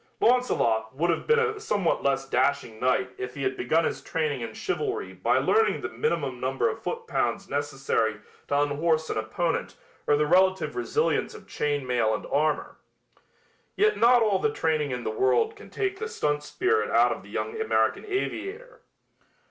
Launcelot would have been a somewhat less dashing knight if he had begun his training in chivalry by learning the minimum number of foot pounds necessary to unhorse an opponent or the relative resilience of chain mail and armor. Yet not all the training in the world can take the stunt spirit out of the young American aviator.